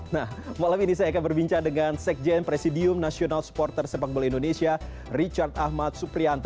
nah malam ini saya akan berbincang dengan sekjen presidium nasional supporter sepak bola indonesia richard ahmad suprianto